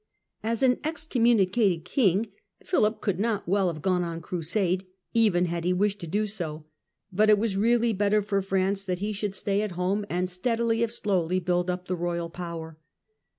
As an excommunicated king, Philip could not well have gone on crusade, even had he wished to do so, but it was really better for France that he should stay at home and FRANCE UNDER CAROLTNGIANS AND CAPETIANS 53 steadily, if slowly, build up the royal power.